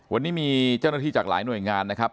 วันนี้มีเจ้าหน้าที่จากหลายหน่วยงานนะครับ